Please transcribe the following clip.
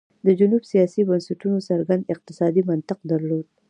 د جنوب سیاسي بنسټونو څرګند اقتصادي منطق درلود.